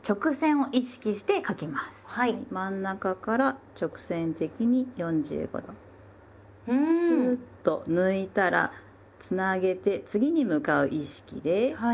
真ん中から直線的に４５度スーッと抜いたらつなげて次に向かう意識で右払いへ。